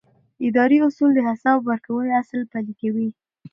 اداري اصول د حساب ورکونې اصل پلي کوي.